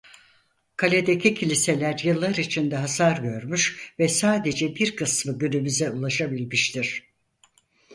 Kaledeki kiliseler yıllar içinde hasar görmüş ve sadece bir kısmı günümüze ulaşabilmiştir.